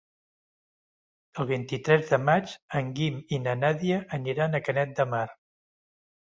El vint-i-tres de maig en Guim i na Nàdia aniran a Canet de Mar.